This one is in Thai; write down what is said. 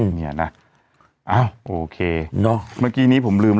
เห็นไหม